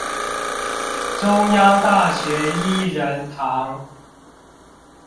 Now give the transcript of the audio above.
中央大學依仁堂